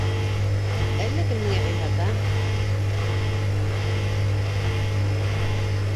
Әллә кем һиңә өй һата!